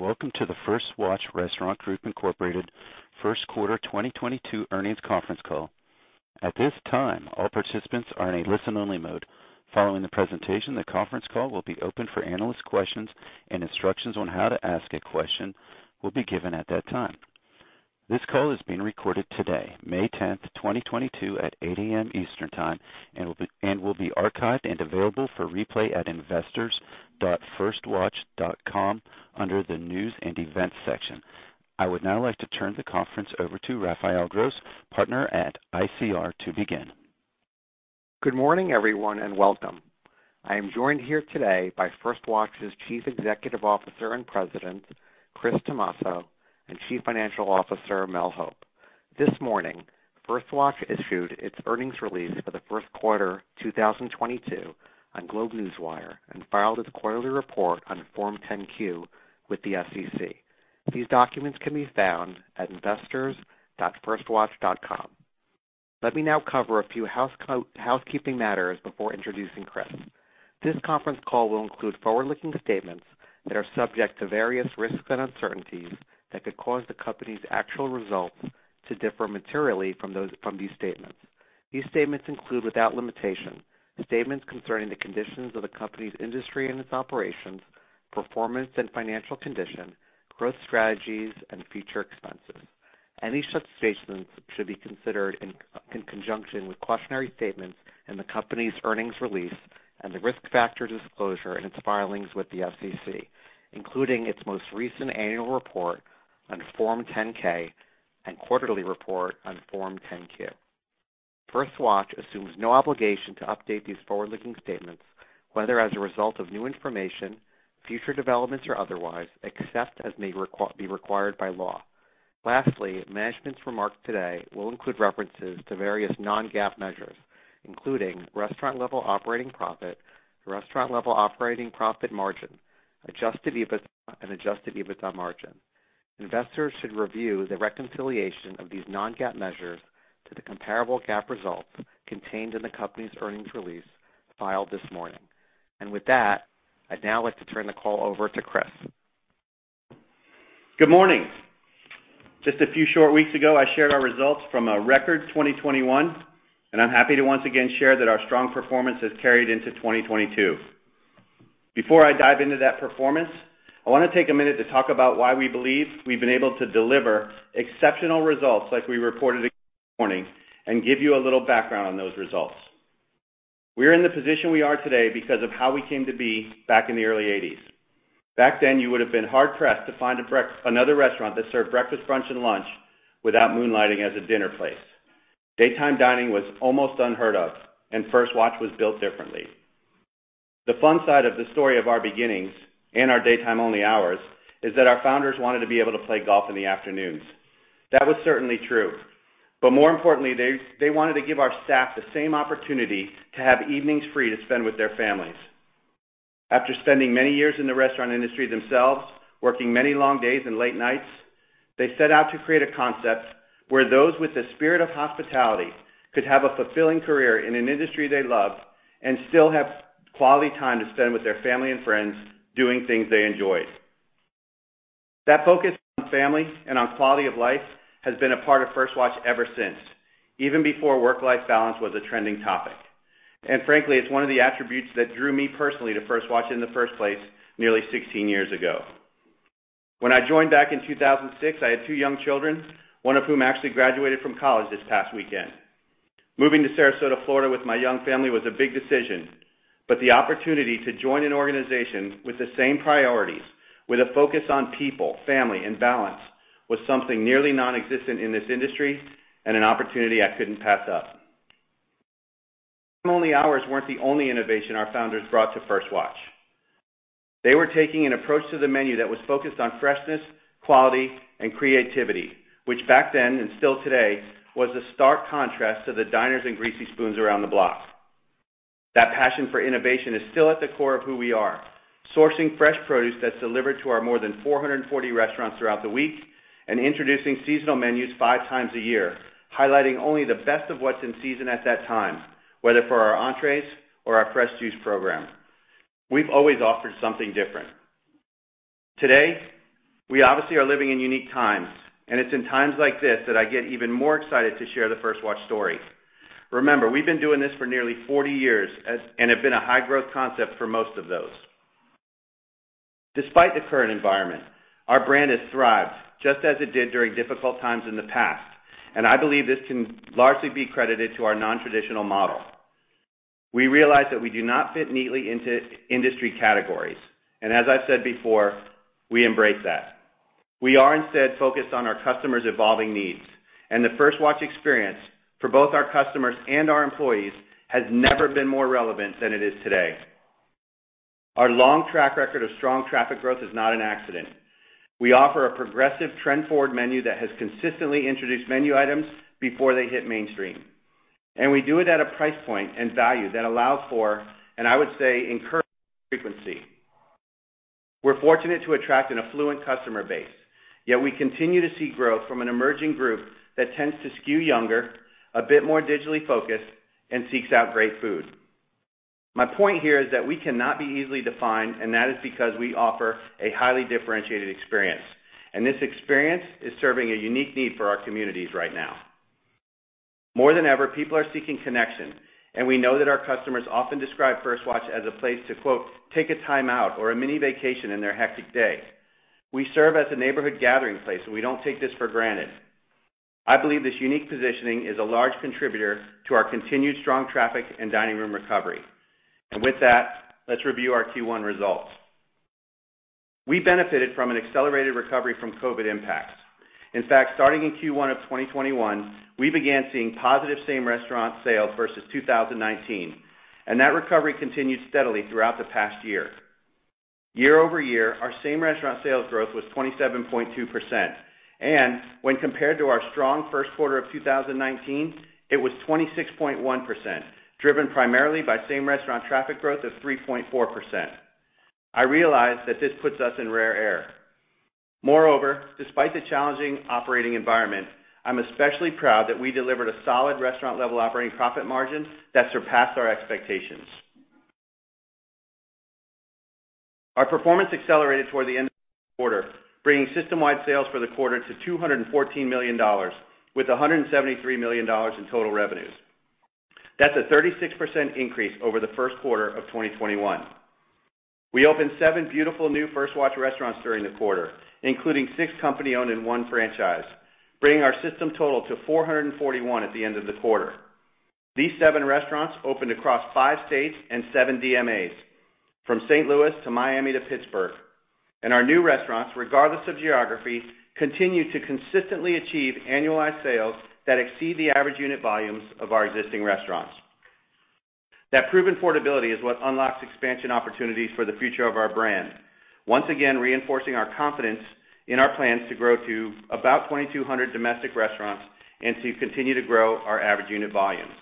Welcome to the First Watch Restaurant Group, Inc First Quarter 2022 Earnings Conference Call. At this time, all participants are in a listen-only mode. Following the presentation, the conference call will be open for analyst questions, and instructions on how to ask a question will be given at that time. This call is being recorded today, May 10th, 2022 at 8:00 A.M. Eastern Time and will be archived and available for replay at investors.firstwatch.com under the News and Events section. I would now like to turn the conference over to Raphael Gross, Partner at ICR, to begin. Good morning, everyone, and welcome. I am joined here today by First Watch's Chief Executive Officer and President, Chris Tomasso, and Chief Financial Officer, Mel Hope. This morning, First Watch issued its earnings release for the first quarter 2022 on GlobeNewswire and filed its quarterly report on Form 10-Q with the SEC. These documents can be found at investors.firstwatch.com. Let me now cover a few housekeeping matters before introducing Chris. This conference call will include forward-looking statements that are subject to various risks and uncertainties that could cause the company's actual results to differ materially from those, from these statements. These statements include, without limitation, statements concerning the conditions of the company's industry and its operations, performance and financial condition, growth strategies, and future expenses. Any such statements should be considered in conjunction with cautionary statements in the company's earnings release and the risk factor disclosure in its filings with the SEC, including its most recent annual report on Form 10-K and quarterly report on Form 10-Q. First Watch assumes no obligation to update these forward-looking statements, whether as a result of new information, future developments, or otherwise, except as may be required by law. Lastly, management's remarks today will include references to various non-GAAP measures, including restaurant level operating profit, restaurant level operating profit margin, adjusted EBITDA, and adjusted EBITDA margin. Investors should review the reconciliation of these non-GAAP measures to the comparable GAAP results contained in the company's earnings release filed this morning. With that, I'd now like to turn the call over to Chris. Good morning. Just a few short weeks ago, I shared our results from a record 2021, and I'm happy to once again share that our strong performance has carried into 2022. Before I dive into that performance, I wanna take a minute to talk about why we believe we've been able to deliver exceptional results like we reported this morning and give you a little background on those results. We're in the position we are today because of how we came to be back in the early 1980s. Back then, you would have been hard-pressed to find another restaurant that served breakfast, brunch, and lunch without moonlighting as a dinner place. Daytime dining was almost unheard of, and First Watch was built differently. The fun side of the story of our beginnings and our daytime-only hours is that our founders wanted to be able to play golf in the afternoons. That was certainly true, but more importantly, they wanted to give our staff the same opportunity to have evenings free to spend with their families. After spending many years in the restaurant industry themselves, working many long days and late nights, they set out to create a concept where those with the spirit of hospitality could have a fulfilling career in an industry they love and still have quality time to spend with their family and friends doing things they enjoyed. That focus on family and on quality of life has been a part of First Watch ever since, even before work-life balance was a trending topic. Frankly, it's one of the attributes that drew me personally to First Watch in the first place nearly 16 years ago. When I joined back in 2006, I had two young children, one of whom actually graduated from college this past weekend. Moving to Sarasota, Florida, with my young family was a big decision, but the opportunity to join an organization with the same priorities, with a focus on people, family, and balance, was something nearly non-existent in this industry and an opportunity I couldn't pass up. Daytime-only hours weren't the only innovation our founders brought to First Watch. They were taking an approach to the menu that was focused on freshness, quality, and creativity, which back then, and still today, was a stark contrast to the diners and greasy spoons around the block. That passion for innovation is still at the core of who we are, sourcing fresh produce that's delivered to our more than 440 restaurants throughout the week and introducing seasonal menus five times a year, highlighting only the best of what's in season at that time, whether for our entrees or our fresh juice program. We've always offered something different. Today, we obviously are living in unique times, and it's in times like this that I get even more excited to share the First Watch story. Remember, we've been doing this for nearly 40 years and have been a high-growth concept for most of those. Despite the current environment, our brand has thrived, just as it did during difficult times in the past, and I believe this can largely be credited to our non-traditional model. We realize that we do not fit neatly into industry categories, and as I've said before, we embrace that. We are instead focused on our customers' evolving needs. The First Watch experience for both our customers and our employees has never been more relevant than it is today. Our long track record of strong traffic growth is not an accident. We offer a progressive trend-forward menu that has consistently introduced menu items before they hit mainstream. We do it at a price point and value that allows for, and I would say, encourage frequency. We're fortunate to attract an affluent customer base, yet we continue to see growth from an emerging group that tends to skew younger, a bit more digitally focused, and seeks out great food. My point here is that we cannot be easily defined, and that is because we offer a highly differentiated experience, and this experience is serving a unique need for our communities right now. More than ever, people are seeking connection, and we know that our customers often describe First Watch as a place to quote, "Take a time-out or a mini vacation in their hectic day." We serve as a neighborhood gathering place, and we don't take this for granted. I believe this unique positioning is a large contributor to our continued strong traffic and dining room recovery. With that, let's review our Q1 results. We benefited from an accelerated recovery from COVID impacts. In fact, starting in Q1 of 2021, we began seeing positive same-restaurant sales versus 2019, and that recovery continued steadily throughout the past year. Year-over-year, our same-restaurant sales growth was 27.2%. When compared to our strong first quarter of 2019, it was 26.1%, driven primarily by same-restaurant traffic growth of 3.4%. I realize that this puts us in rare air. Moreover, despite the challenging operating environment, I'm especially proud that we delivered a solid restaurant-level operating profit margin that surpassed our expectations. Our performance accelerated toward the end of the quarter, bringing system-wide sales for the quarter to $214 million with $173 million in total revenues. That's a 36% increase over the first quarter of 2021. We opened seven beautiful new First Watch restaurants during the quarter, including six company-owned and 1 franchise, bringing our system total to 441 at the end of the quarter. These seven restaurants opened across five states and seven DMAs, from St. Louis to Miami to Pittsburgh. Our new restaurants, regardless of geography, continue to consistently achieve annualized sales that exceed the average unit volumes of our existing restaurants. That proven portability is what unlocks expansion opportunities for the future of our brand. Once again, reinforcing our confidence in our plans to grow to about 2,200 domestic restaurants and to continue to grow our average unit volumes.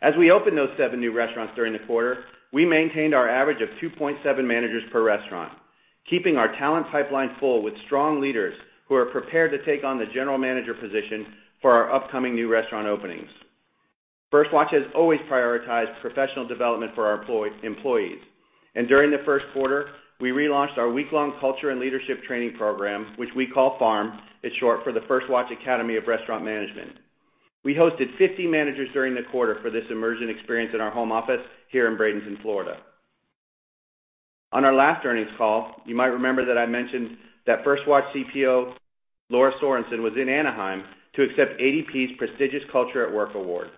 As we opened those seven new restaurants during the quarter, we maintained our average of 2.7 managers per restaurant, keeping our talent pipeline full with strong leaders who are prepared to take on the general manager position for our upcoming new restaurant openings. First Watch has always prioritized professional development for our employees. During the first quarter, we relaunched our week-long culture and leadership training program, which we call FARM. It's short for the First Watch Academy of Restaurant Management. We hosted 50 managers during the quarter for this immersion experience in our home office here in Bradenton, Florida. On our last earnings call, you might remember that I mentioned that First Watch CPO, Laura Sorensen, was in Anaheim to accept ADP's prestigious Culture at Work award.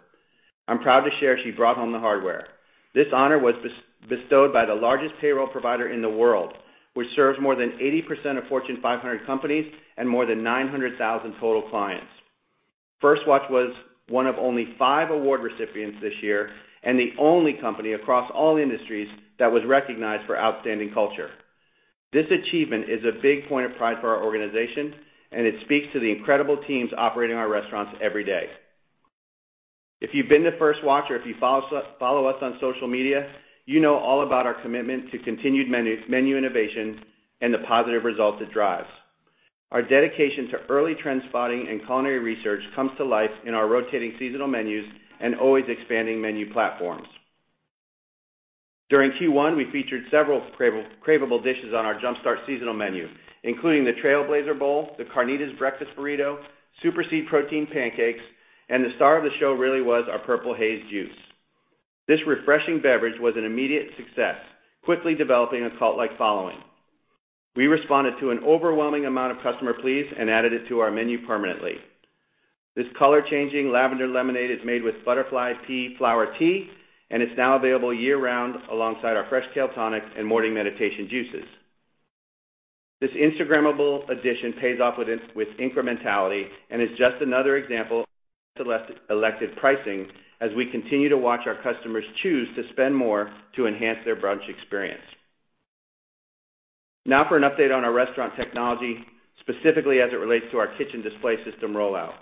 I'm proud to share she brought home the hardware. This honor was bestowed by the largest payroll provider in the world, which serves more than 80% of Fortune 500 companies and more than 900,000 total clients. First Watch was one of only 5 award recipients this year and the only company across all industries that was recognized for outstanding culture. This achievement is a big point of pride for our organization, and it speaks to the incredible teams operating our restaurants every day. If you've been to First Watch or if you follow us on social media, you know all about our commitment to continued menu innovations and the positive results it drives. Our dedication to early trend spotting and culinary research comes to life in our rotating seasonal menus and always expanding menu platforms. During Q1, we featured several craveable dishes on our Jump Start seasonal menu, including the Trailblazer Bowl, the Carnitas Breakfast Burrito, Superseed Protein Pancakes, and the star of the show really was our Purple Haze juice. This refreshing beverage was an immediate success, quickly developing a cult-like following. We responded to an overwhelming amount of customer pleas and added it to our menu permanently. This color-changing lavender lemonade is made with butterfly pea flower tea, and it's now available year-round alongside our freshly made tonics and Morning Meditation juices. This Instagrammable addition pays off with incrementality, and it's just another example of elevated pricing as we continue to watch our customers choose to spend more to enhance their brunch experience. Now for an update on our restaurant technology, specifically as it relates to our Kitchen Display System rollout.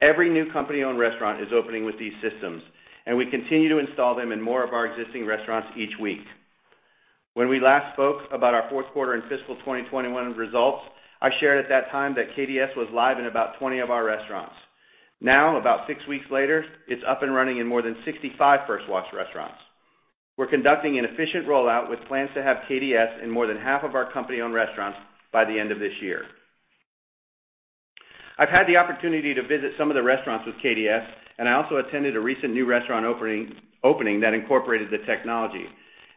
Every new company-owned restaurant is opening with these systems, and we continue to install them in more of our existing restaurants each week. When we last spoke about our fourth quarter and fiscal 2021 results, I shared at that time that KDS was live in about 20 of our restaurants. Now, about six weeks later, it's up and running in more than 65 First Watch restaurants. We're conducting an efficient rollout with plans to have KDS in more than half of our company-owned restaurants by the end of this year. I've had the opportunity to visit some of the restaurants with KDS, and I also attended a recent new restaurant opening that incorporated the technology.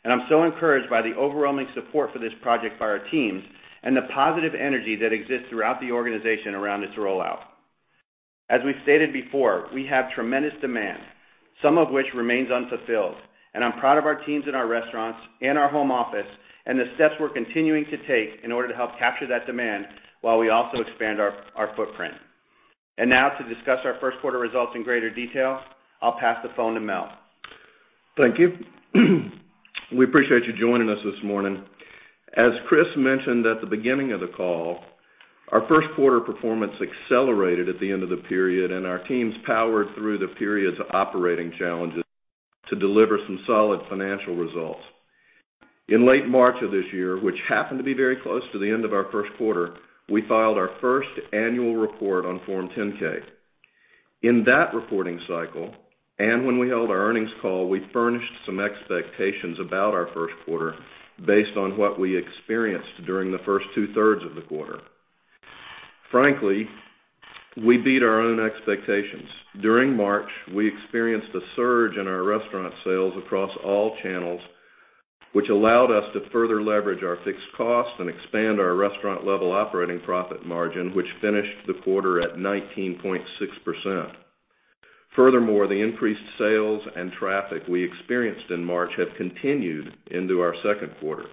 I'm so encouraged by the overwhelming support for this project by our teams and the positive energy that exists throughout the organization around its rollout. As we've stated before, we have tremendous demand, some of which remains unfulfilled, and I'm proud of our teams in our restaurants and our home office and the steps we're continuing to take in order to help capture that demand while we also expand our footprint. Now to discuss our first quarter results in greater detail, I'll pass the phone to Mel. Thank you. We appreciate you joining us this morning. As Chris mentioned at the beginning of the call, our first quarter performance accelerated at the end of the period, and our teams powered through the period's operating challenges to deliver some solid financial results. In late March of this year, which happened to be very close to the end of our first quarter, we filed our first annual report on Form 10-K. In that reporting cycle, and when we held our earnings call, we furnished some expectations about our first quarter based on what we experienced during the first two-thirds of the quarter. Frankly, we beat our own expectations. During March, we experienced a surge in our restaurant sales across all channels, which allowed us to further leverage our fixed costs and expand our restaurant level operating profit margin, which finished the quarter at 19.6%. Furthermore, the increased sales and traffic we experienced in March have continued into our second quarter.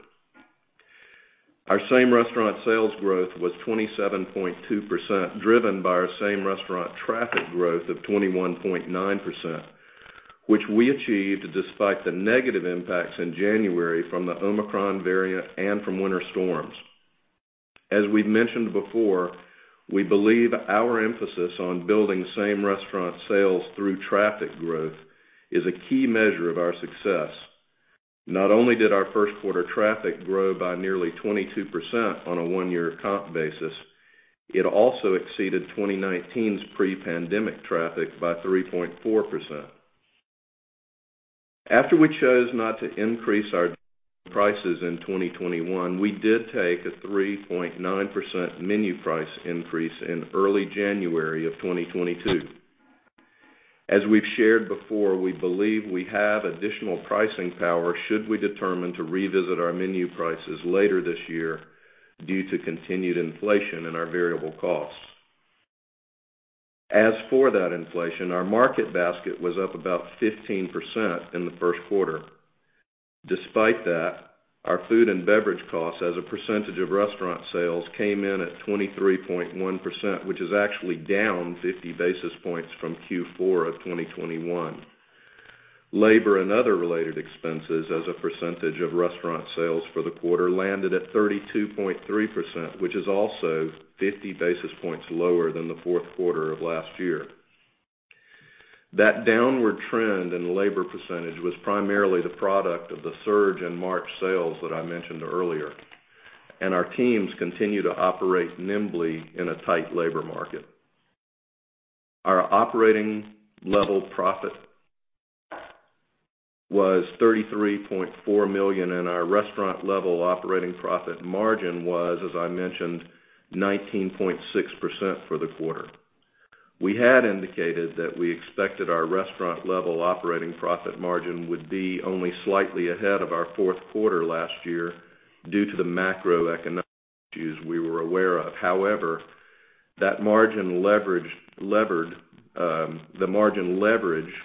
Our same restaurant sales growth was 27.2%, driven by our same restaurant traffic growth of 21.9%, which we achieved despite the negative impacts in January from the Omicron variant and from winter storms. As we've mentioned before, we believe our emphasis on building same restaurant sales through traffic growth is a key measure of our success. Not only did our first quarter traffic grow by nearly 22% on a one-year comp basis, it also exceeded 2019's pre-pandemic traffic by 3.4%. After we chose not to increase our prices in 2021, we did take a 3.9% menu price increase in early January of 2022. As we've shared before, we believe we have additional pricing power should we determine to revisit our menu prices later this year due to continued inflation in our variable costs. As for that inflation, our market basket was up about 15% in the first quarter. Despite that, our food and beverage costs as a percentage of restaurant sales came in at 23.1%, which is actually down 50 basis points from Q4 of 2021. Labor and other related expenses as a percentage of restaurant sales for the quarter landed at 32.3%, which is also 50 basis points lower than the fourth quarter of last year. That downward trend in labor percentage was primarily the product of the surge in March sales that I mentioned earlier, and our teams continue to operate nimbly in a tight labor market. Our operating level profit was $33.4 million, and our restaurant level operating profit margin was, as I mentioned, 19.6% for the quarter. We had indicated that we expected our restaurant level operating profit margin would be only slightly ahead of our fourth quarter last year due to the macroeconomic issues we were aware of. However, that margin leverage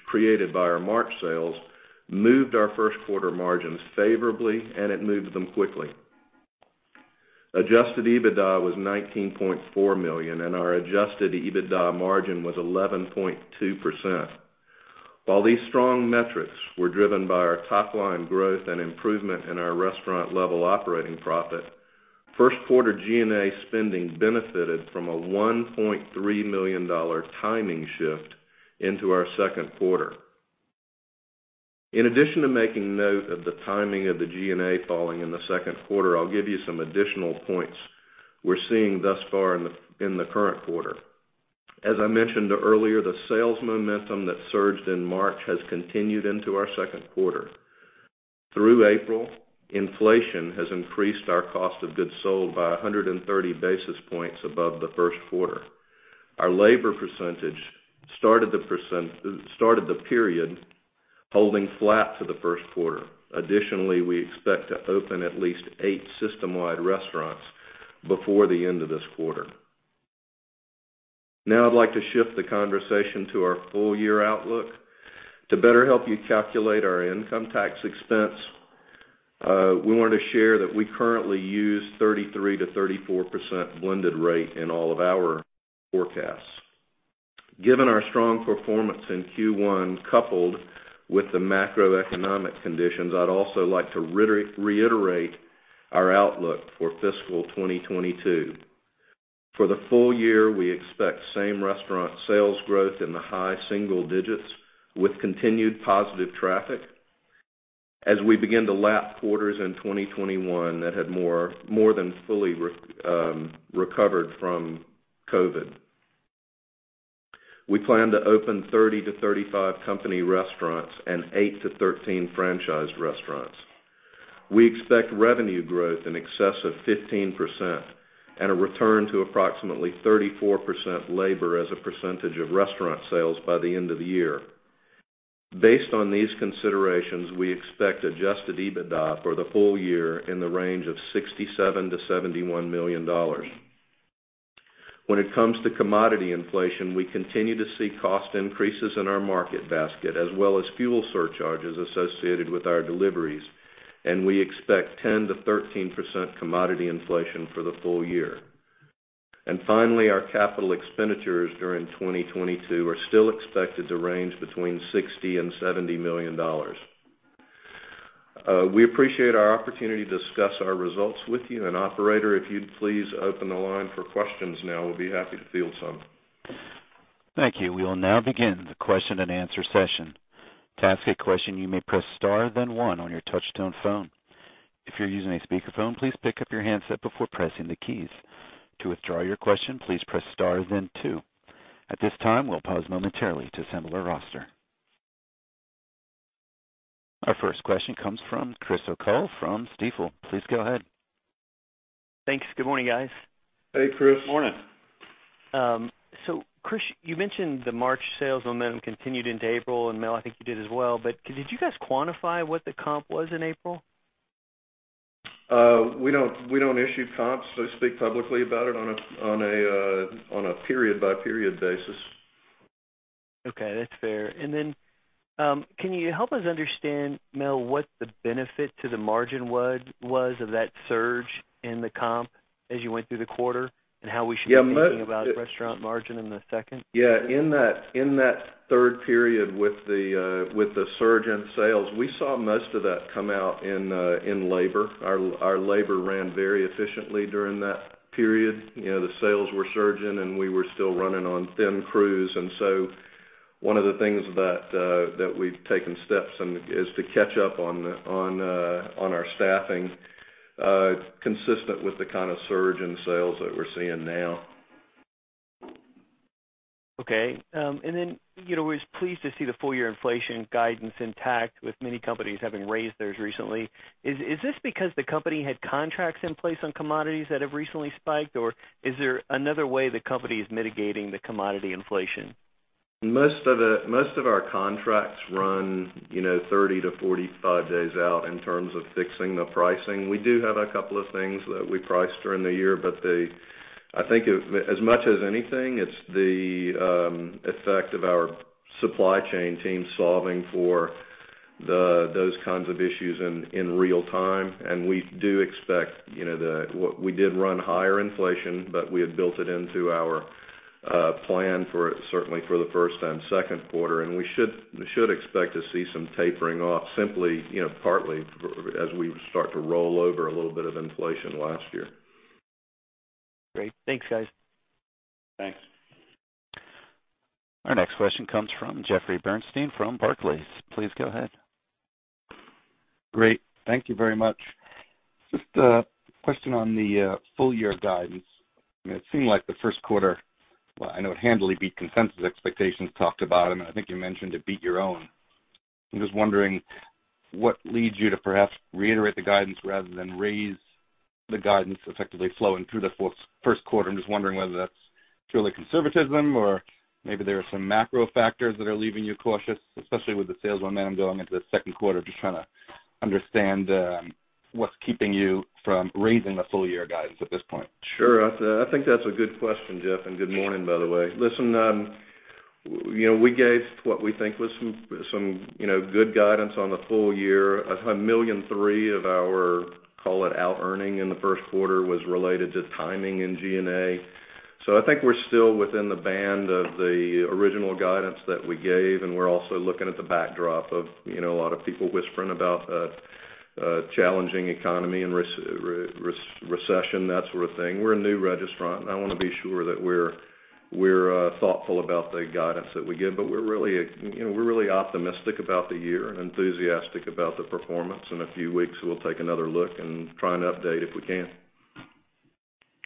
created by our March sales moved our first quarter margins favorably, and it moved them quickly. Adjusted EBITDA was $19.4 million, and our adjusted EBITDA margin was 11.2%. While these strong metrics were driven by our top line growth and improvement in our restaurant level operating profit, first quarter G&A spending benefited from a $1.3 million timing shift into our second quarter. In addition to making note of the timing of the G&A falling in the second quarter, I'll give you some additional points we're seeing thus far in the current quarter. As I mentioned earlier, the sales momentum that surged in March has continued into our second quarter. Through April, inflation has increased our cost of goods sold by 100 basis points above the first quarter. Our labor percentage started the period holding flat to the first quarter. Additionally, we expect to open at least eight system-wide restaurants before the end of this quarter. Now I'd like to shift the conversation to our full year outlook. To better help you calculate our income tax expense, we want to share that we currently use 33%-34% blended rate in all of our forecasts. Given our strong performance in Q1 coupled with the macroeconomic conditions, I'd also like to reiterate our outlook for fiscal 2022. For the full year, we expect same restaurant sales growth in the high single digits with continued positive traffic as we begin to lap quarters in 2021 that had more than fully recovered from COVID. We plan to open 30-35 company restaurants and eight to 13 franchised restaurants. We expect revenue growth in excess of 15% and a return to approximately 34% labor as a percentage of restaurant sales by the end of the year. Based on these considerations, we expect adjusted EBITDA for the full year in the range of $67-$71 million. When it comes to commodity inflation, we continue to see cost increases in our market basket as well as fuel surcharges associated with our deliveries, and we expect 10%-13% commodity inflation for the full year. Finally, our capital expenditures during 2022 are still expected to range between $60 and $70 million. We appreciate our opportunity to discuss our results with you. Operator, if you'd please open the line for questions now, we'll be happy to field some. Thank you. We will now begin the question-and-answer session. To ask a question, you may press star then one on your touchtone phone. If you're using a speakerphone, please pick up your handset before pressing the keys. To withdraw your question, please press star then two. At this time, we'll pause momentarily to assemble our roster. Our first question comes from Chris O'Cull from Stifel. Please go ahead. Thanks. Good morning, guys. Hey, Chris. Morning. Chris, you mentioned the March sales momentum continued into April, and Mel, I think you did as well, but did you guys quantify what the comp was in April? We don't issue comps, so speak publicly about it on a period-by-period basis. Okay. That's fair. Can you help us understand, Mel, what the benefit to the margin was of that surge in the comp as you went through the quarter and how we should? Be thinking about restaurant margin in the second? Yeah. In that third period with the surge in sales, we saw most of that come out in labor. Our labor ran very efficiently during that period. You know, the sales were surging, and we were still running on thin crews. One of the things that we've taken steps and is to catch up on our staffing consistent with the kind of surge in sales that we're seeing now. Okay. You know, we're pleased to see the full year inflation guidance intact with many companies having raised theirs recently. Is this because the company had contracts in place on commodities that have recently spiked, or is there another way the company is mitigating the commodity inflation? Most of our contracts run, you know, 30-45 days out in terms of fixing the pricing. We do have a couple of things that we priced during the year, but I think as much as anything, it's the effect of our supply chain team solving for those kinds of issues in real time. We do expect, you know, we did run higher inflation, but we had built it into our plan for it, certainly for the first and second quarter. We should expect to see some tapering off simply, you know, partly as we start to roll over a little bit of inflation last year. Great. Thanks, guys. Thanks. Our next question comes from Jeffrey Bernstein from Barclays. Please go ahead. Great. Thank you very much. Just a question on the full year guidance. I mean, it seemed like the first quarter, well, I know it handily beat consensus expectations talked about, and I think you mentioned it beat your own. I'm just wondering what leads you to perhaps reiterate the guidance rather than raise the guidance effectively flowing through the full first quarter. I'm just wondering whether that's truly conservatism or maybe there are some macro factors that are leaving you cautious, especially with the sales momentum going into the second quarter. Just trying to understand what's keeping you from raising the full year guidance at this point. Sure. I think that's a good question, Jeff, and good morning, by the way. Listen, you know, we gave what we think was some you know good guidance on the full year. $1.3 million of our call-out earnings in the first quarter was related to timing in G&A. I think we're still within the band of the original guidance that we gave, and we're also looking at the backdrop of, you know, a lot of people whispering about a challenging economy and recession, that sort of thing. We're a new restaurant. I want to be sure that we're thoughtful about the guidance that we give. We're really you know optimistic about the year and enthusiastic about the performance. In a few weeks, we'll take another look and try and update if we can.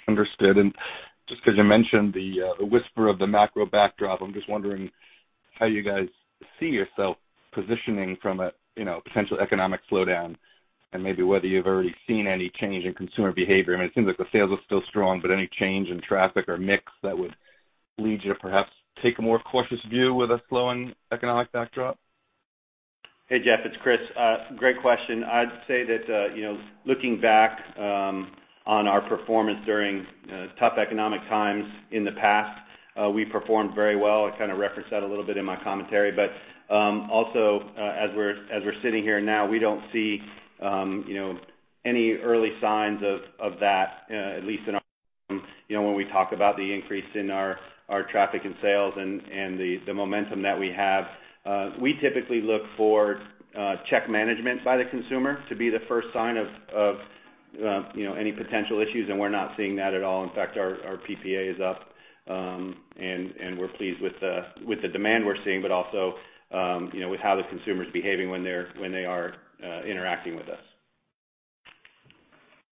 Understood. Just because you mentioned the whisper of the macro backdrop, I'm just wondering how you guys see yourself positioning from a, you know, potential economic slowdown and maybe whether you've already seen any change in consumer behavior. I mean, it seems like the sales are still strong, but any change in traffic or mix that would lead you to perhaps take a more cautious view with a slowing economic backdrop? Hey, Jeffrey, it's Chris. Great question. I'd say that, you know, looking back, on our performance during tough economic times in the past, we performed very well. I kind of referenced that a little bit in my commentary. Also, as we're sitting here now, we don't see, you know, any early signs of that, at least in our system. You know, when we talk about the increase in our traffic and sales and the momentum that we have, we typically look for check management by the consumer to be the first sign of, you know, any potential issues, and we're not seeing that at all. In fact, our PPA is up, and we're pleased with the demand we're seeing, but also, you know, with how the consumer is behaving when they are interacting with us.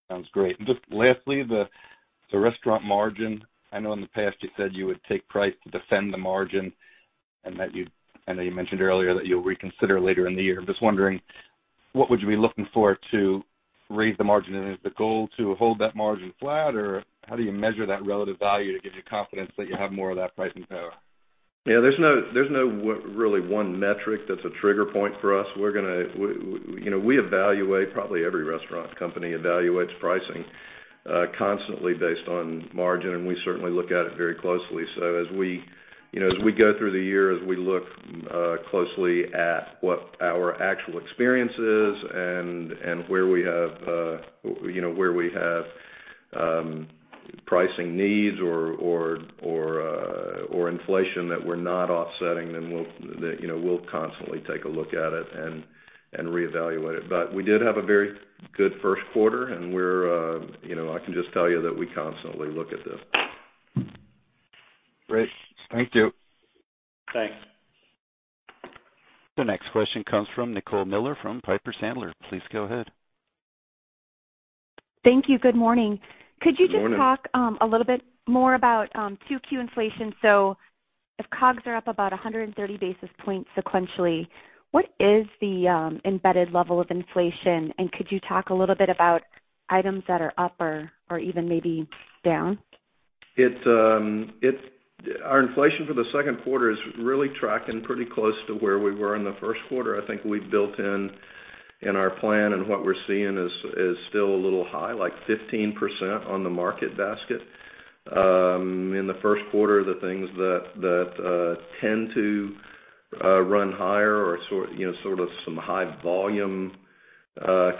Sounds great. Just lastly, the restaurant margin. I know in the past you said you would take price to defend the margin and I know you mentioned earlier that you'll reconsider later in the year. I'm just wondering what would you be looking for to raise the margin? Is the goal to hold that margin flat, or how do you measure that relative value to give you confidence that you have more of that pricing power? Yeah, there's no really one metric that's a trigger point for us. You know, we evaluate, probably every restaurant company evaluates pricing constantly based on margin, and we certainly look at it very closely. As we, you know, as we go through the year, as we look closely at what our actual experience is and where we have, you know, where we have pricing needs or inflation that we're not offsetting, then we'll, you know, we'll constantly take a look at it and reevaluate it. We did have a very good first quarter, and we're, you know, I can just tell you that we constantly look at this. Great. Thank you. Thanks. The next question comes from Nicole Miller from Piper Sandler. Please go ahead. Thank you. Good morning. Good morning. Could you just talk a little bit more about 2Q inflation? If COGS are up about 130 basis points sequentially, what is the embedded level of inflation? And could you talk a little bit about items that are up or even maybe down? Our inflation for the second quarter is really tracking pretty close to where we were in the first quarter. I think we've built in our plan, and what we're seeing is still a little high, like 15% on the market basket. In the first quarter, the things that tend to run higher are, you know, sort of some high volume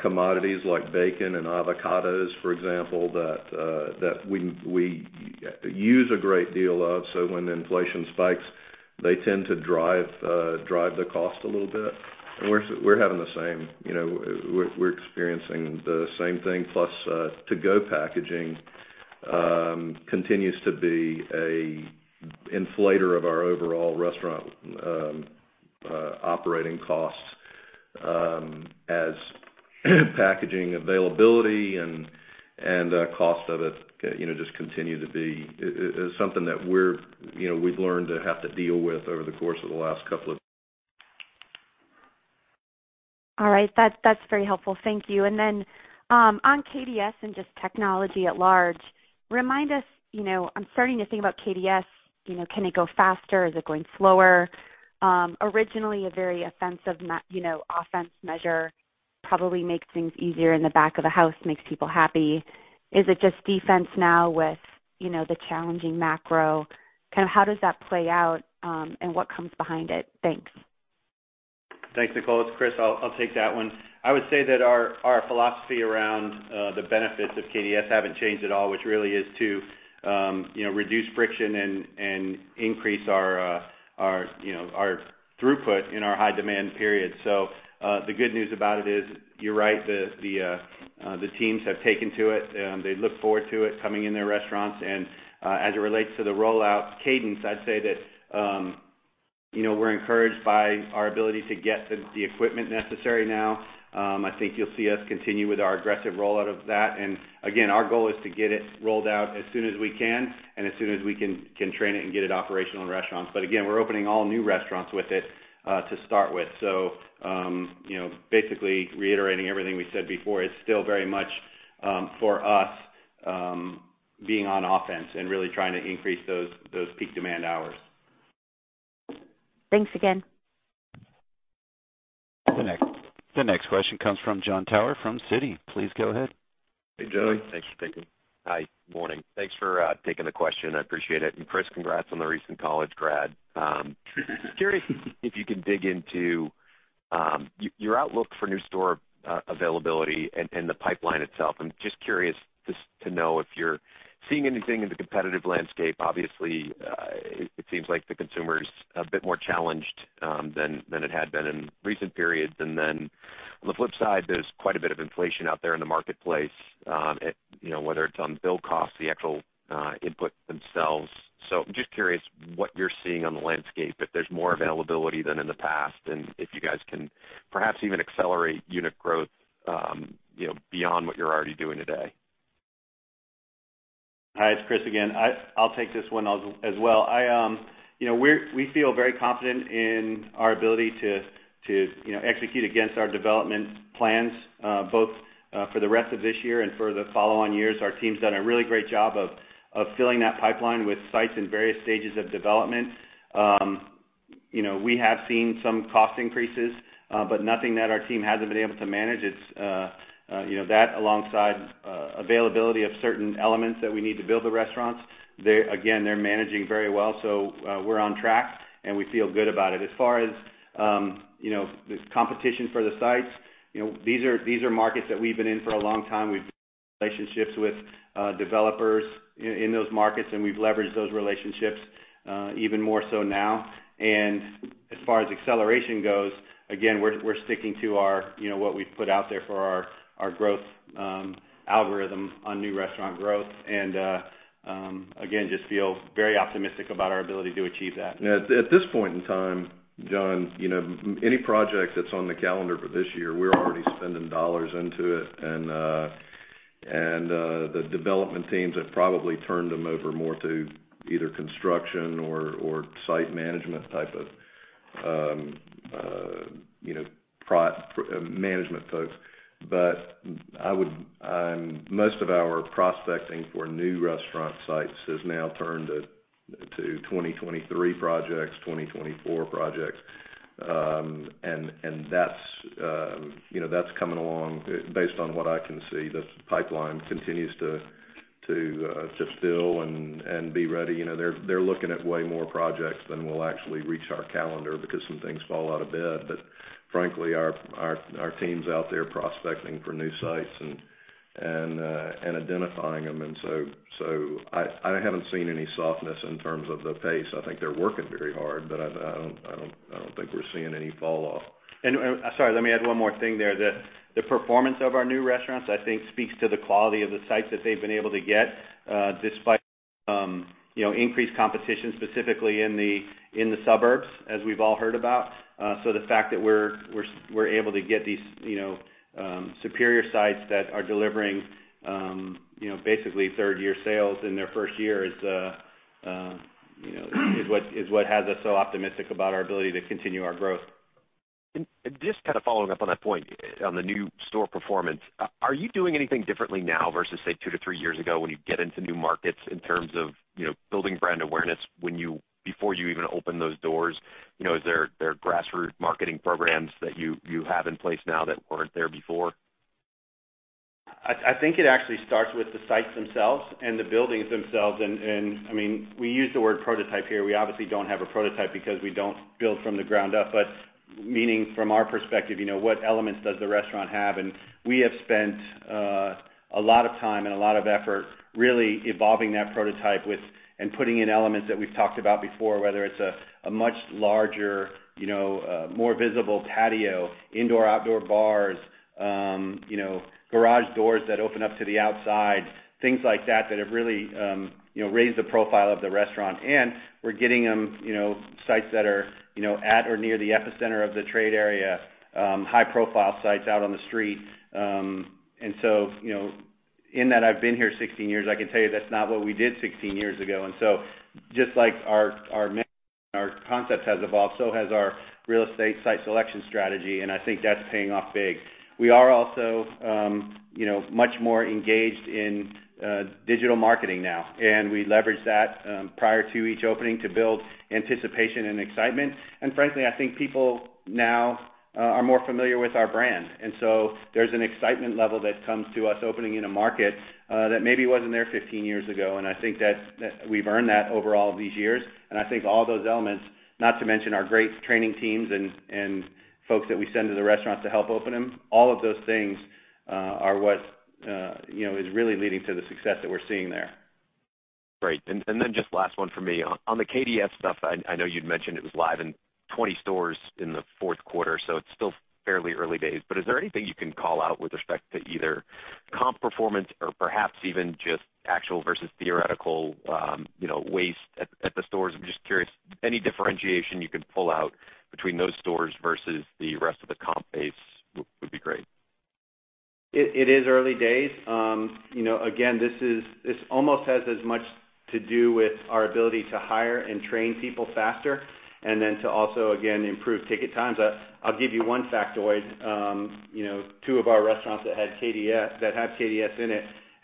commodities like bacon and avocados, for example, that we use a great deal of. When inflation spikes, they tend to drive the cost a little bit. We're having the same, you know, we're experiencing the same thing, plus to-go packaging continues to be an inflator of our overall restaurant operating costs, as packaging availability and cost of it, you know, just continue to be. It's something that we're, you know, we've learned to have to deal with over the course of the last couple of. All right. That's very helpful. Thank you. Then, on KDS and just technology at large, remind us, you know, I'm starting to think about KDS, you know, can it go faster? Is it going slower? Originally a very offensive measure probably makes things easier in the back of the house, makes people happy. Is it just defense now with, you know, the challenging macro? Kind of how does that play out, and what comes behind it? Thanks. Thanks, Nicole. It's Chris. I'll take that one. I would say that our philosophy around the benefits of KDS haven't changed at all, which really is to you know reduce friction and increase our you know our throughput in our high demand periods. The good news about it is, you're right, the teams have taken to it, they look forward to it coming in their restaurants. As it relates to the rollout cadence, I'd say that you know we're encouraged by our ability to get the equipment necessary now. I think you'll see us continue with our aggressive rollout of that. Again, our goal is to get it rolled out as soon as we can and train it and get it operational in restaurants. Again, we're opening all new restaurants with it to start with. You know, basically reiterating everything we said before, it's still very much for us being on offense and really trying to increase those peak demand hours. Thanks again. The next question comes from Jon Tower from Citi. Please go ahead. Hey, Jon. Hi. Morning. Thanks for taking the question. I appreciate it. Chris, congrats on the recent college grad. Just curious if you can dig into your outlook for new store availability and the pipeline itself. I'm just curious just to know if you're seeing anything in the competitive landscape. Obviously, it seems like the consumer's a bit more challenged than it had been in recent periods. Then on the flip side, there's quite a bit of inflation out there in the marketplace, you know, whether it's on build cost, the actual input themselves. I'm just curious what you're seeing on the landscape, if there's more availability than in the past, and if you guys can perhaps even accelerate unit growth, you know, beyond what you're already doing today. Hi. It's Chris again. I'll take this one as well. You know, we feel very confident in our ability to execute against our development plans, both for the rest of this year and for the follow-on years. Our team's done a really great job of filling that pipeline with sites in various stages of development. You know, we have seen some cost increases, but nothing that our team hasn't been able to manage. It's that alongside availability of certain elements that we need to build the restaurants. They're managing very well, so we're on track, and we feel good about it. As far as this competition for the sites, you know, these are markets that we've been in for a long time. We have relationships with developers in those markets, and we've leveraged those relationships even more so now. As far as acceleration goes, again, we're sticking to our, you know, what we've put out there for our growth algorithm on new restaurant growth. Again, just feel very optimistic about our ability to achieve that. Yeah. At this point in time, Jon, you know, any project that's on the calendar for this year, we're already spending dollars into it. The development teams have probably turned them over more to either construction or site management type of, you know, management folks. Most of our prospecting for new restaurant sites has now turned to 2023 projects, 2024 projects. And that's, you know, that's coming along. Based on what I can see, the pipeline continues to fill and be ready. You know, they're looking at way more projects than will actually reach our calendar because some things fall out of bed. Frankly, our team's out there prospecting for new sites and identifying them. I haven't seen any softness in terms of the pace. I think they're working very hard, but I don't think we're seeing any fall off. Sorry, let me add one more thing there. The performance of our new restaurants, I think speaks to the quality of the sites that they've been able to get, despite You know, increased competition, specifically in the suburbs, as we've all heard about. The fact that we're able to get these, you know, superior sites that are delivering, you know, basically third-year sales in their first year is, you know, what has us so optimistic about our ability to continue our growth. Just kind of following up on that point on the new store performance. Are you doing anything differently now versus, say, two to three years ago when you get into new markets in terms of, you know, building brand awareness when you before you even open those doors? You know, is there grassroots marketing programs that you have in place now that weren't there before? I think it actually starts with the sites themselves and the buildings themselves. I mean, we use the word prototype here. We obviously don't have a prototype because we don't build from the ground up. Meaning from our perspective, you know, what elements does the restaurant have? We have spent a lot of time and a lot of effort really evolving that prototype and putting in elements that we've talked about before, whether it's a much larger, you know, more visible patio, indoor-outdoor bars, you know, garage doors that open up to the outside, things like that that have really, you know, raised the profile of the restaurant. We're getting, you know, sites that are, you know, at or near the epicenter of the trade area, high-profile sites out on the street. You know, in that I've been here 16 years, I can tell you that's not what we did 16 years ago. Just like our menu, our concepts has evolved, so has our real estate site selection strategy, and I think that's paying off big. We are also, you know, much more engaged in digital marketing now, and we leverage that prior to each opening to build anticipation and excitement. Frankly, I think people now are more familiar with our brand. There's an excitement level that comes to us opening in a market that maybe wasn't there 15 years ago, and I think that's. We've earned that over all of these years. I think all those elements, not to mention our great training teams and folks that we send to the restaurants to help open them, all of those things, are what, you know, is really leading to the success that we're seeing there. Great. Then just last one for me. On the KDS stuff, I know you'd mentioned it was live in 20 stores in the fourth quarter, so it's still fairly early days. Is there anything you can call out with respect to either comp performance or perhaps even just actual versus theoretical, you know, waste at the stores? I'm just curious, any differentiation you can pull out between those stores versus the rest of the comp base would be great. It is early days. You know, again, this almost has as much to do with our ability to hire and train people faster and then to also, again, improve ticket times. I'll give you one factoid. You know, two of our restaurants that have KDS in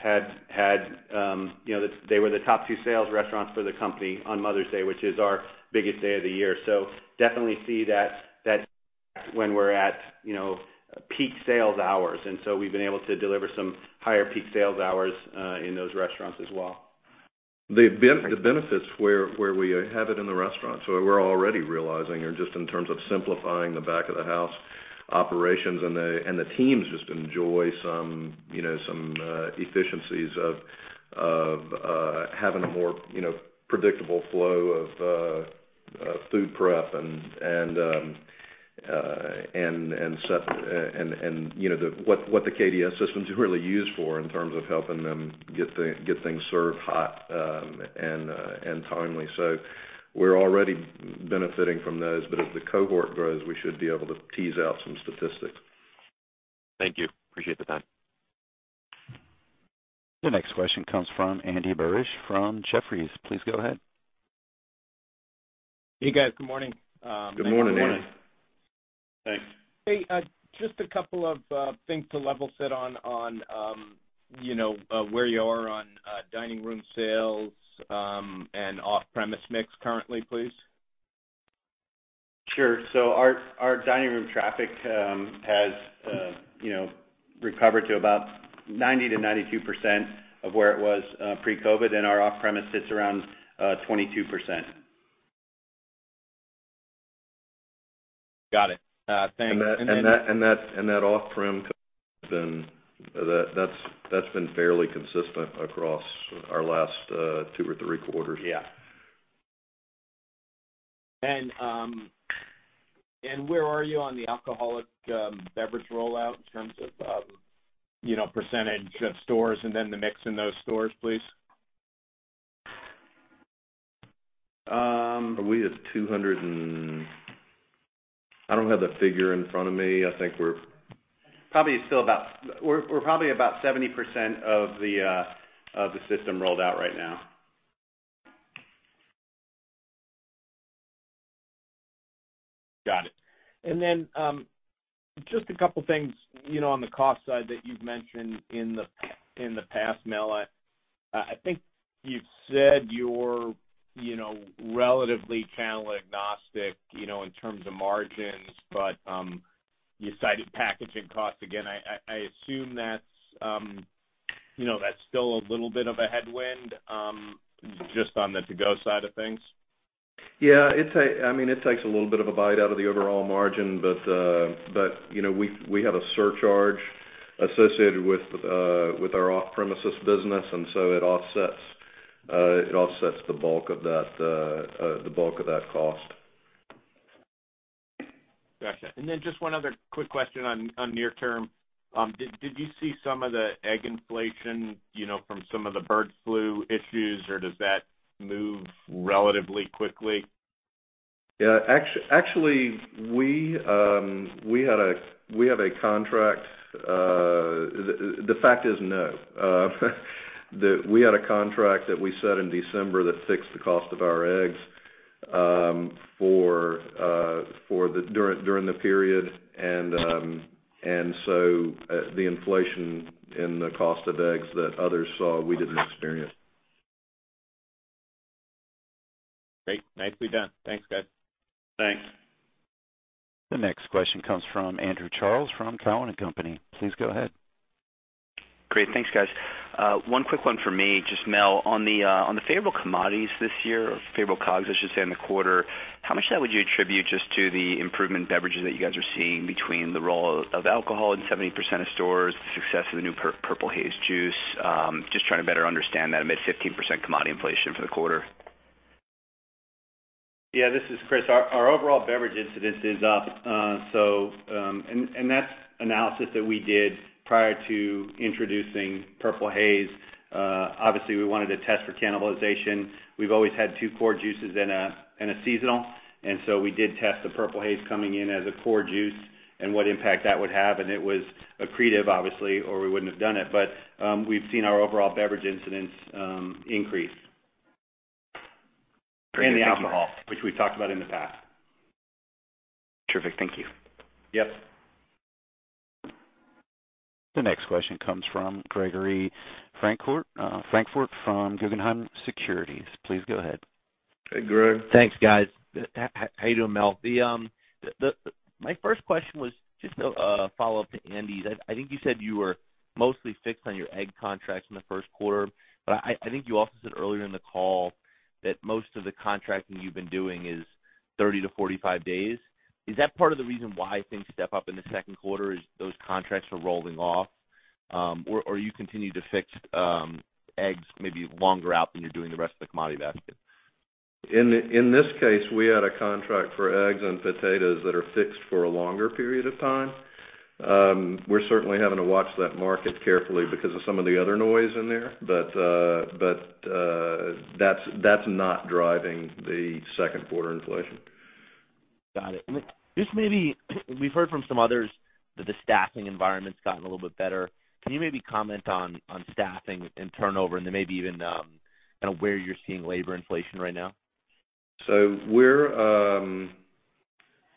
them you know they were the top two sales restaurants for the company on Mother's Day, which is our biggest day of the year. We definitely see that when we're at, you know, peak sales hours. We've been able to deliver some higher peak sales hours in those restaurants as well. The benefits where we have it in the restaurant. We're already realizing are just in terms of simplifying the back of the house operations, and the teams just enjoy some, you know, efficiencies of having a more, you know, predictable flow of food prep and set, you know, what the KDS system's really used for in terms of helping them get things served hot and timely. We're already benefiting from those. As the cohort grows, we should be able to tease out some statistics. Thank you. Appreciate the time. The next question comes from Andy Barish from Jefferies. Please go ahead. Hey, guys. Good morning. Good morning, Andy. Good morning. Thanks. Hey, just a couple of things to level set on, you know, where you are on dining room sales and off-premise mix currently, please. Sure. Our dining room traffic, you know, has recovered to about 90%-92% of where it was pre-COVID, and our off-premise sits around 22%. Got it. Thanks. That off-prem has been fairly consistent across our last two or three quarters. Yeah. Where are you on the alcoholic beverage rollout in terms of, you know, percentage of stores and then the mix in those stores, please? I don't have the figure in front of me. I think we're... Probably still about 70% of the system rolled out right now. Got it. Just a couple things, you know, on the cost side that you've mentioned in the past, Mel. I assume that's, you know, that's still a little bit of a headwind, just on the to-go side of things. Yeah, I mean, it takes a little bit of a bite out of the overall margin, but you know, we have a surcharge associated with our off-premises business, and so it offsets the bulk of that cost. Gotcha. Just one other quick question on near term. Did you see some of the egg inflation, you know, from some of the bird flu issues, or does that move relatively quickly? Yeah. Actually, we had a contract. The fact is, no. We had a contract that we set in December that fixed the cost of our eggs during the period. The inflation in the cost of eggs that others saw, we didn't experience. Great. Nicely done. Thanks, guys. Thanks. The next question comes from Andrew Charles from Cowen and Company. Please go ahead. Great. Thanks, guys. One quick one for me. Just Mel, on the favorable commodities this year or favorable COGS, I should say, in the quarter, how much of that would you attribute just to the improvement in beverages that you guys are seeing between the rollout of alcohol in 70% of stores, the success of the new Purple Haze juice? Just trying to better understand that amid 15% commodity inflation for the quarter. Yeah, this is Chris. Our overall beverage incidence is up. That's analysis that we did prior to introducing Purple Haze. Obviously we wanted to test for cannibalization. We've always had two core juices and a seasonal, and we did test the Purple Haze coming in as a core juice and what impact that would have, and it was accretive obviously, or we wouldn't have done it. We've seen our overall beverage incidence increase. Great. Thank you. The alcohol, which we've talked about in the past. Terrific. Thank you. Yep. The next question comes from Gregory Francfort from Guggenheim Securities. Please go ahead. Hey, Greg. Thanks, guys. How are you doing, Mel? My first question was just a follow-up to Andy's. I think you said you were mostly fixed on your egg contracts in the first quarter, but I think you also said earlier in the call that most of the contracting you've been doing is 30-45 days. Is that part of the reason why things step up in the second quarter, is those contracts are rolling off? Or you continue to fix eggs maybe longer out than you're doing the rest of the commodity basket? In this case, we had a contract for eggs and potatoes that are fixed for a longer period of time. We're certainly having to watch that market carefully because of some of the other noise in there, but that's not driving the second quarter inflation. Got it. Just maybe we've heard from some others that the staffing environment's gotten a little bit better. Can you maybe comment on staffing and turnover and then maybe even, kind of where you're seeing labor inflation right now?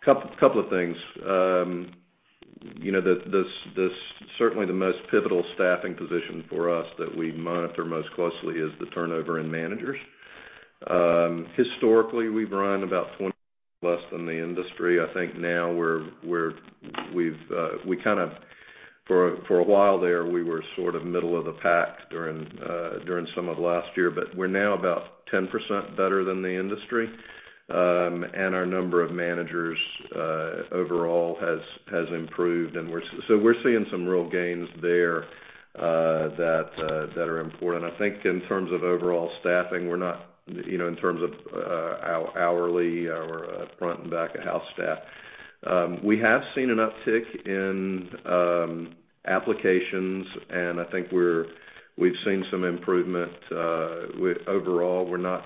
Couple of things. You know, the certainly the most pivotal staffing position for us that we monitor most closely is the turnover in managers. Historically, we've run about 20 less than the industry. I think now we're—we've, we kind of—for a while there, we were sort of middle of the pack during during some of last year. But we're now about 10% better than the industry. And our number of managers overall has improved, and we're seeing some real gains there that are important. I think in terms of overall staffing, we're not, you know, in terms of hourly or front and back of house staff. We have seen an uptick in applications, and I think we've seen some improvement. Overall, we're not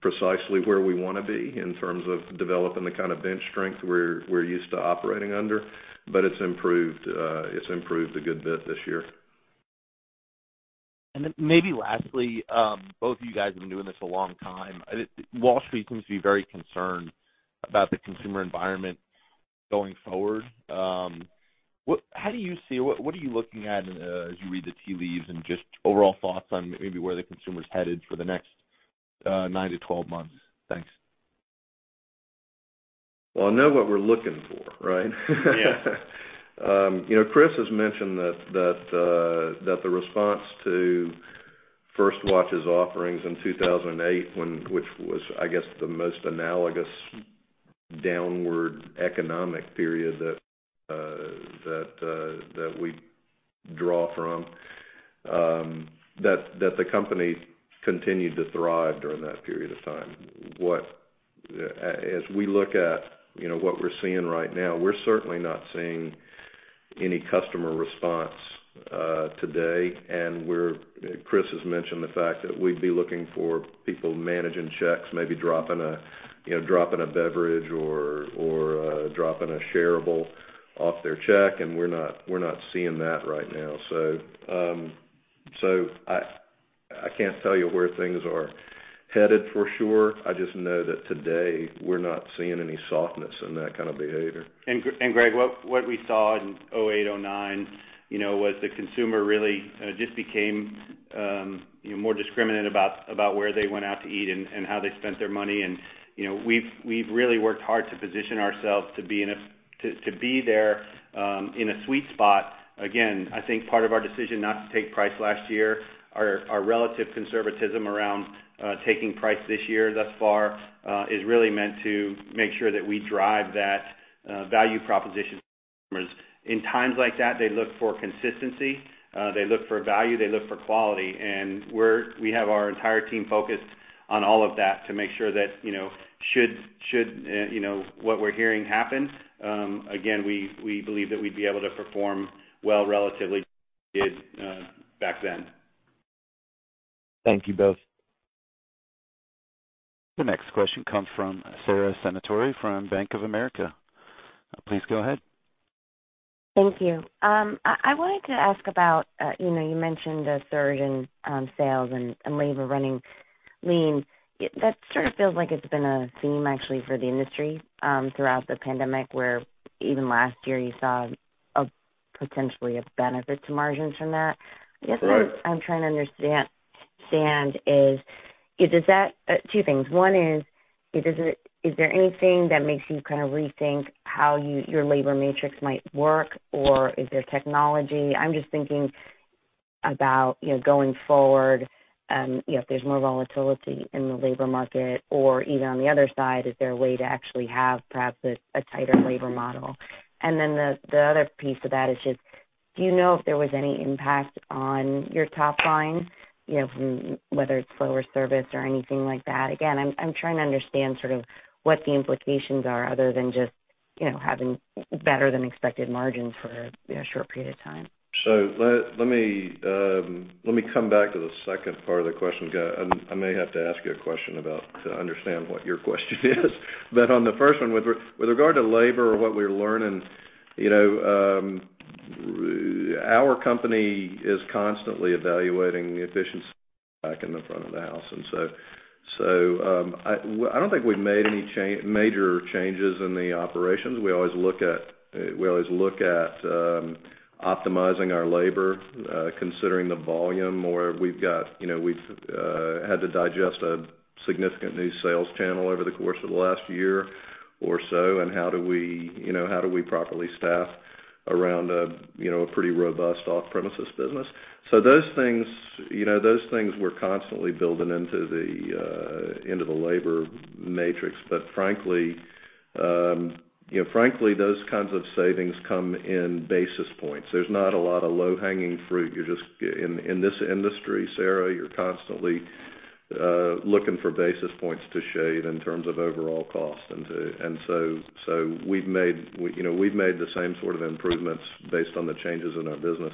precisely where we wanna be in terms of developing the kind of bench strength we're used to operating under, but it's improved. It's improved a good bit this year. Maybe lastly, both of you guys have been doing this a long time. Wall Street seems to be very concerned about the consumer environment going forward. How do you see it? What are you looking at as you read the tea leaves and just overall thoughts on maybe where the consumer's headed for the next 9-12 months? Thanks. Well, I know what we're looking for, right? Yeah. You know, Chris has mentioned that the response to First Watch's offerings in 2008, which was, I guess, the most analogous downward economic period that we draw from, that the company continued to thrive during that period of time. As we look at, you know, what we're seeing right now, we're certainly not seeing any customer response today, and Chris has mentioned the fact that we'd be looking for people managing checks, maybe dropping a beverage or dropping a shareable off their check, and we're not seeing that right now. I can't tell you where things are headed for sure. I just know that today we're not seeing any softness in that kind of behavior. Gregory, what we saw in 2008, 2009 was the consumer really just became more discerning about where they went out to eat and how they spent their money. We've really worked hard to position ourselves to be in a sweet spot. Again, I think part of our decision not to take price last year, our relative conservatism around taking price this year thus far is really meant to make sure that we drive that value proposition. In times like that, they look for consistency, they look for value, they look for quality. We have our entire team focused on all of that to make sure that, you know, should what we're hearing happen again, we believe that we'd be able to perform well relatively back then. Thank you both. The next question comes from Sara Senatore from Bank of America. Please go ahead. Thank you. I wanted to ask about, you know, you mentioned a surge in sales and labor running lean. That sort of feels like it's been a theme actually for the industry throughout the pandemic, where even last year you saw potentially a benefit to margins from that. Right. I guess what I'm trying to understand is that two things. One is it is there anything that makes you kind of rethink how your labor matrix might work or is there technology? I'm just thinking about, you know, going forward, you know, if there's more volatility in the labor market, or even on the other side, is there a way to actually have perhaps a tighter labor model? Then the other piece of that is just, do you know if there was any impact on your top line? You know, from whether it's slower service or anything like that. Again, I'm trying to understand sort of what the implications are other than just, you know, having better than expected margins for a short period of time. Let me come back to the second part of the question. I may have to ask you a question about to understand what your question is. On the first one, with regard to labor or what we're learning, you know, our company is constantly evaluating efficiency in the back and front of the house. I don't think we've made any major changes in the operations. We always look at optimizing our labor, considering the volume, or we've got, you know, we've had to digest a significant new sales channel over the course of the last year or so. How do we properly staff around a pretty robust off-premises business? Those things we're constantly building into the labor matrix. Frankly, those kinds of savings come in basis points. There's not a lot of low-hanging fruit. You're just in this industry, Sara, you're constantly looking for basis points to shave in terms of overall cost. We've made the same sort of improvements based on the changes in our business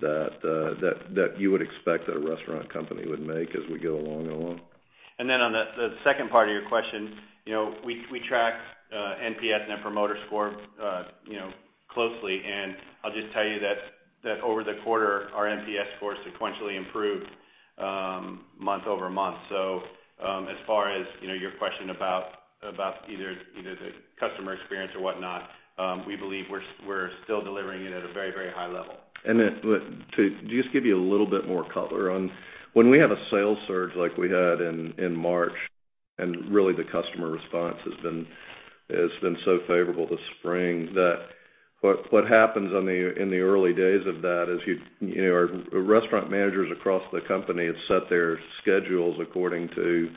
that you would expect that a restaurant company would make as we go along. Then on the second part of your question, you know, we track NPS, net promoter score, you know, closely. I'll just tell you that over the quarter, our NPS score sequentially improved month-over-month. As far as, you know, your question about either the customer experience or whatnot, we believe we're still delivering it at a very, very high level. To just give you a little bit more color on when we have a sales surge like we had in March, and really the customer response has been so favorable to spring, that what happens in the early days of that is you know, our restaurant managers across the company have set their schedules according to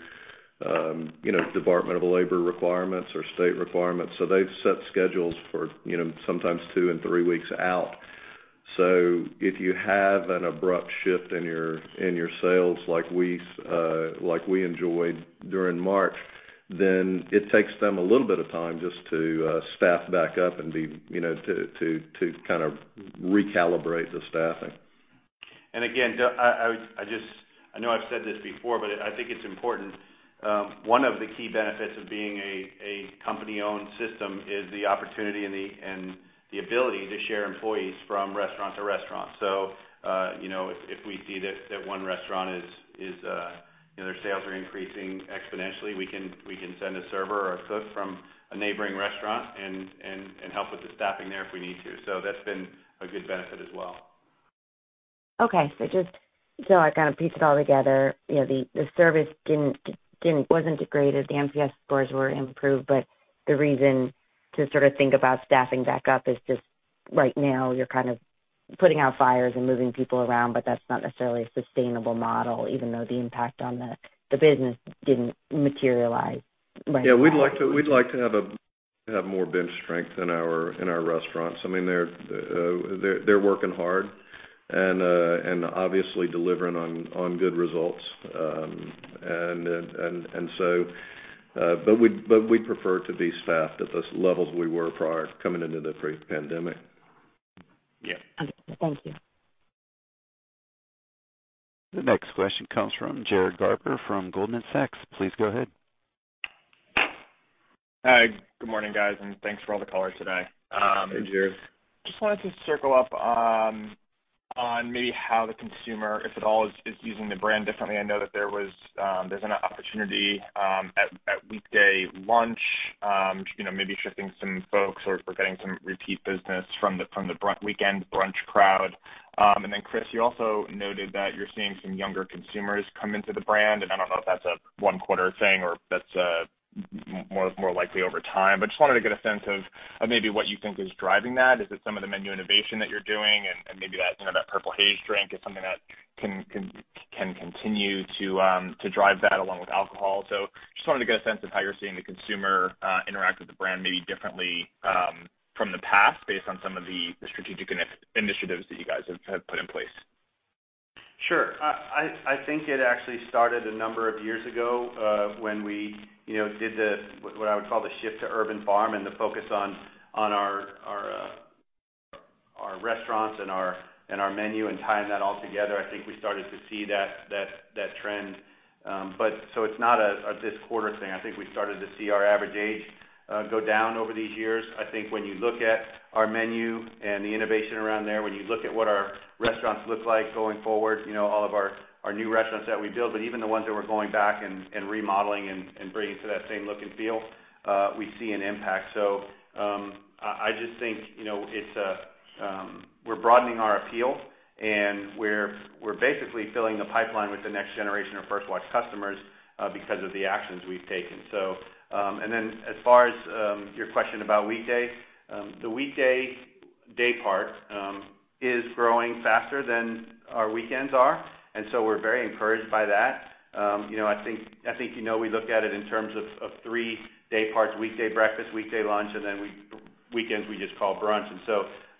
you know, Department of Labor requirements or state requirements. So they've set schedules for you know, sometimes two and three weeks out. So if you have an abrupt shift in your sales like we enjoyed during March, then it takes them a little bit of time just to staff back up and, you know, to kind of recalibrate the staffing. Again, I just know I've said this before, but I think it's important. One of the key benefits of being a company-owned system is the opportunity and the ability to share employees from restaurant to restaurant. You know, if we see that one restaurant is, you know, their sales are increasing exponentially, we can send a server or a cook from a neighboring restaurant and help with the staffing there if we need to. That's been a good benefit as well. Okay. Just so I kind of piece it all together, you know, the service wasn't degraded, the NPS scores were improved. The reason to sort of think about staffing back up is just right now you're kind of putting out fires and moving people around, but that's not necessarily a sustainable model, even though the impact on the business didn't materialize right now. Yeah, we'd like to have more bench strength in our restaurants. I mean, they're working hard and obviously delivering on good results. But we'd prefer to be staffed at those levels we were prior coming into the pre-pandemic. Yeah. Okay. Thank you. The next question comes from Jared Garber from Goldman Sachs. Please go ahead. Hi. Good morning, guys, and thanks for all the color today. Hey, Jared. Just wanted to circle up on maybe how the consumer, if at all, is using the brand differently. I know that there's an opportunity at weekday lunch, you know, maybe shifting some folks or if we're getting some repeat business from the weekend brunch crowd. Then Chris, you also noted that you're seeing some younger consumers come into the brand, and I don't know if that's a one quarter thing or if that's more likely over time. Just wanted to get a sense of maybe what you think is driving that. Is it some of the menu innovation that you're doing and maybe that, you know, that Purple Haze drink is something that can continue to drive that along with alcohol. Just wanted to get a sense of how you're seeing the consumer interact with the brand maybe differently from the past based on some of the strategic initiatives that you guys have put in place. Sure. I think it actually started a number of years ago, when we, you know, did the, what I would call the shift to Urban Farm and the focus on our restaurants and our menu and tying that all together. I think we started to see that trend. It's not a this quarter thing. I think we started to see our average age go down over these years. I think when you look at our menu and the innovation around there, when you look at what our restaurants look like going forward, you know, all of our new restaurants that we build, but even the ones that we're going back and remodeling and bringing to that same look and feel, we see an impact. I just think, you know, it's we're broadening our appeal, and we're basically filling the pipeline with the next generation of First Watch customers, because of the actions we've taken. Then as far as your question about weekday the weekday day part is growing faster than our weekends are, and so we're very encouraged by that. You know, I think you know, we look at it in terms of three day parts, weekday breakfast, weekday lunch, and then weekends, we just call brunch.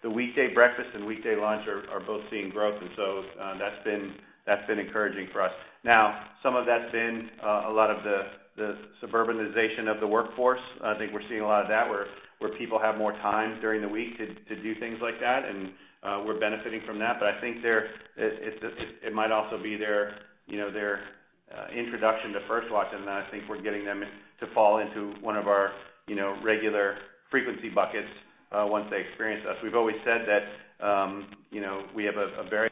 The weekday breakfast and weekday lunch are both seeing growth, and so that's been encouraging for us. Now, some of that's been a lot of the suburbanization of the workforce. I think we're seeing a lot of that where people have more time during the week to do things like that, and we're benefiting from that. I think it might also be their, you know, introduction to First Watch, and then I think we're getting them to fall into one of our, you know, regular frequency buckets once they experience us. We've always said that, you know, we have a very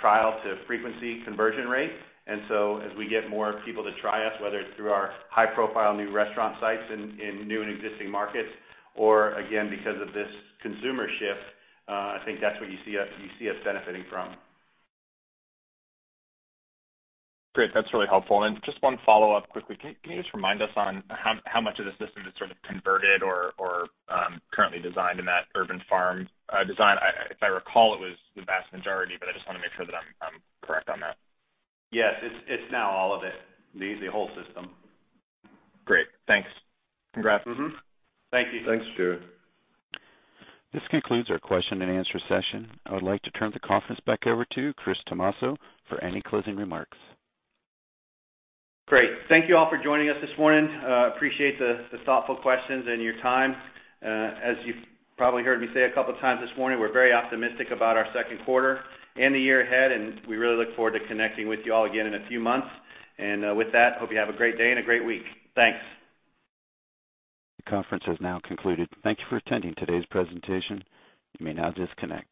trial to frequency conversion rate. As we get more people to try us, whether it's through our high-profile new restaurant sites in new and existing markets or, again, because of this consumer shift, I think that's what you see us benefiting from. Great. That's really helpful. Just one follow-up quickly. Can you just remind us on how much of the system is sort of converted or currently designed in that Urban Farm design? If I recall, it was the vast majority, but I just wanna make sure that I'm correct on that. Yes, it's now all of it, the whole system. Great. Thanks. Congrats. Mm-hmm. Thank you. Thanks, Jared. This concludes our question-and-answer session. I would like to turn the conference back over to Chris Tomasso for any closing remarks. Great. Thank you all for joining us this morning. Appreciate the thoughtful questions and your time. As you've probably heard me say a couple times this morning, we're very optimistic about our second quarter and the year ahead, and we really look forward to connecting with you all again in a few months. With that, hope you have a great day and a great week. Thanks. The conference has now concluded. Thank you for attending today's presentation. You may now disconnect.